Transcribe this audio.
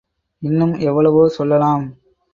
இன்னும் எவ்வளவோ சொல்லலாம்.